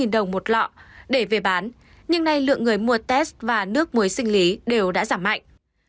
đồng một lọ để về bán nhưng nay lượng người mua test và nước muối sinh lý đều đã giảm mạnh